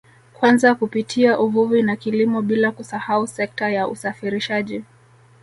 Kwanza kupitia uvuvi na kilimo bila kusahau sekta ya usafirishaji